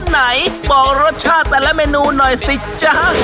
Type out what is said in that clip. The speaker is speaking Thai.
ไหนบอกรสชาติแต่ละเมนูหน่อยสิจ๊ะ